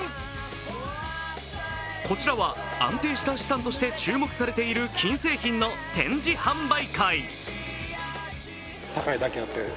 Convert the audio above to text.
こちらは安定した資産として注目されている金製品の展示販売会。